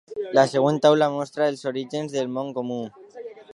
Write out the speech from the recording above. La següent taula mostra els orígens del nom comú.